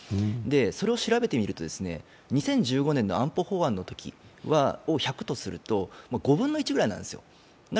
それを調べてみると２０１５年の安保法案のときを１００とすると５分の１ぐらいなんですよ